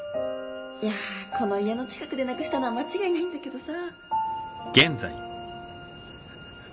いやこの家の近くでなくしたのは間違いないんだけどさ